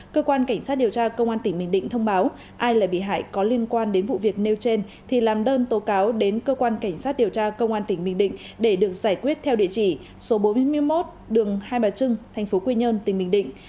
cơ quan cảnh sát điều tra công an tỉnh bình định thông báo ai là bị hại có liên quan đến vụ việc nêu trên thì làm đơn tố cáo đến cơ quan cảnh sát điều tra công an tỉnh bình định để được giải quyết theo địa chỉ số bốn mươi một đường hai bà trưng tp quy nhơn tỉnh bình định